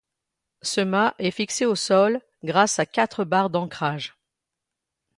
Ce mât est fixé au sol grâce à quatre barres d'ancrage.